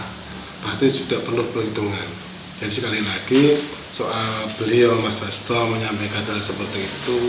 pasti sudah perlu perhitungan dan sekali lagi soal beliau mas hasto menyampaikan hal seperti itu